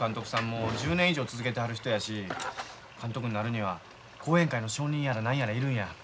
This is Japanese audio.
もう１０年以上続けてはる人やし監督になるには後援会の承認やら何やらいるんや。